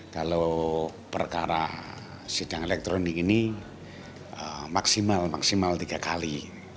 kalau perkara sidang elektronik ini maksimal maksimal tiga kali